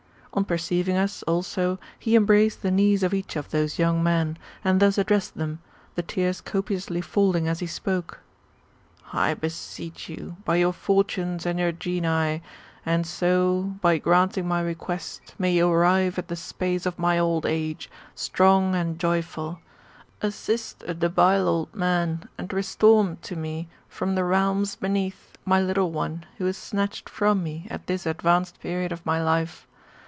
On perceiving us, also, he embraced the knees of each of those young men, and thus addressed them, the tears copiously falling as he spoke :*' I beseech you, by your Fortunes and your Genii, and so [by granting my request] may you arrive at the space of my old age, strong and joyful, assist a debile old man, and restore to me, from the realms beneath, my little one, who is snatched from me, at this advanced period of my life.